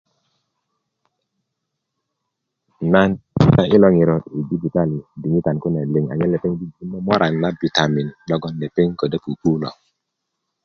nan joŋga i lo ŋiro i jibitali diŋitan kune liŋ anyen lepeŋ bubulö momorani na bitamen loŋ lepeŋ ködö pupu lo